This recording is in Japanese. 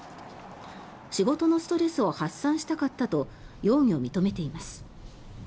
仕事のストレスを発散したかったと容疑を認めています。